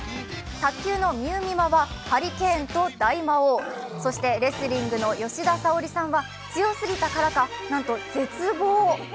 卓球のみうみまはハリケーンと大魔王、そしてレスリングの吉田沙保里さんは強すぎたからかなんと絶望。